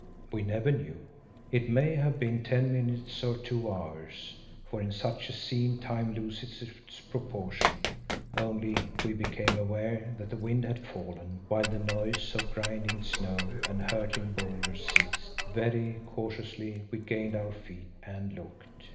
We never knew. It may have been ten minutes or two hours, for in such a scene time loses its proportion. Only we became aware that the wind had fallen, while the noise of grinding snow and hurtling boulders ceased. Very cautiously we gained our feet and looked.